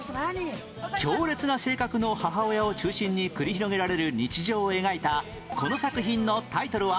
強烈な性格の母親を中心に繰り広げられる日常を描いたこの作品のタイトルは？